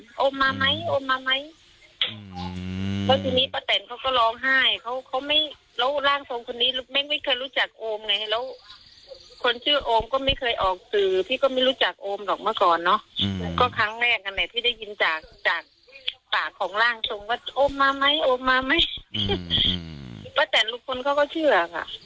ว่าโอมมาไหมโอมมาไหมอืมว่าแต่ลูกคนเขาก็เชื่ออ่ะ